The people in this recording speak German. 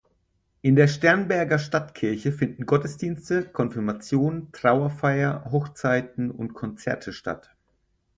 In der Sternberger Stadtkirche finden Gottesdienste, Konfirmation, Trauerfeier, Hochzeiten und Konzerte statt.